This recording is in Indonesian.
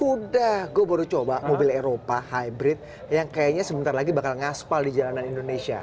udah gue baru coba mobil eropa hybrid yang kayaknya sebentar lagi bakal ngaspal di jalanan indonesia